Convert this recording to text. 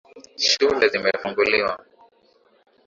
Shule zimefunguliwa